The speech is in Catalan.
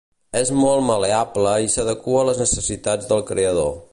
És molt mal·leable i s'adequa a les necessitats del creador.